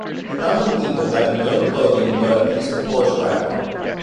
The common people have no clothing but a piece of coarse wrapper.